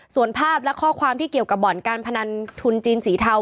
ส่วนภาพและข้อความที่เกี่ยวกับบ่อนการพนันทุนจีนสีเทา